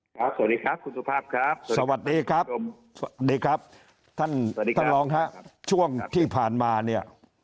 สวัสดีครับคุณสุภาพครับสวัสดีครับสวัสดีครับท่านสวัสดีท่านรองครับช่วงที่ผ่านมาเนี่ย